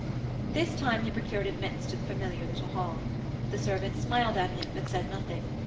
This time he procured admittance to the familiar little hall. The servant smiled at him, but said nothing.